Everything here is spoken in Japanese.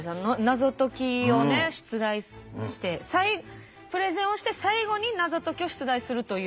謎解きを出題してプレゼンをして最後に謎解きを出題するという。